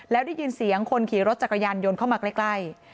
แล้วได้ยินเสียงคนขี่รถจักรยานยนต์เข้ามาใกล้